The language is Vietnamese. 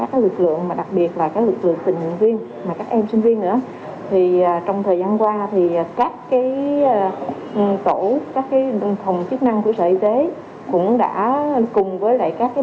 thì chúng tôi xin thông tin cho các anh chị về cái câu một